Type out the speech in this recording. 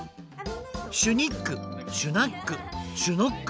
「シュニックシュナックシュノック」。